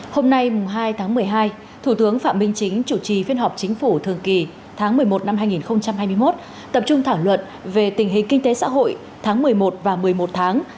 hôm nay hai tháng một mươi hai thủ tướng phạm minh chính chủ trì phiên họp chính phủ thường kỳ tháng một mươi một năm hai nghìn hai mươi một tập trung thảo luận về tình hình kinh tế xã hội tháng một mươi một và một mươi một tháng